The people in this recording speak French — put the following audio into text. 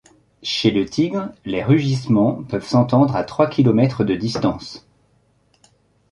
Chez le tigre, les rugissements peuvent s'entendre à trois kilomètres de distance.